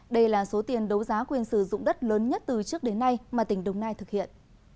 đây là số tiền đấu giá quyền sử dụng đất lớn nhất từ trước đến nay mà tỉnh đồng nai thực hiện